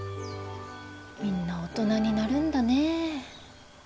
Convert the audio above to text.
みんな大人になるんだね。